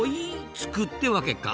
つくってわけか。